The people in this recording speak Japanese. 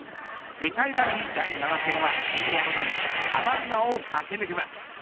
世界ラリー第７戦はケニアの大地サバンナを駆け抜けます。